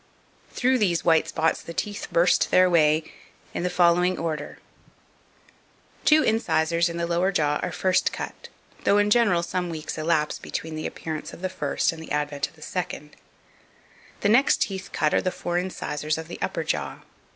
Through these white spots the teeth burst their way in the following order: 2512. Two incisors in the lower jaw are first cut, though, in general, some weeks elapse between the appearance of the first and the advent of the second. The next teeth cut are the four incisors of the upper jaw.